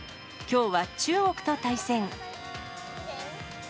きょうは中国と対戦。